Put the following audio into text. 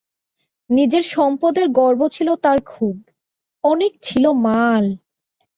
নিজের সম্পদের গর্ব ছিল তার খুব, অনেক ছিল মাল।